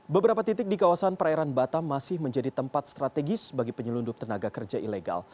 beberapa titik di kawasan perairan batam masih menjadi tempat strategis bagi penyelundup tenaga kerja ilegal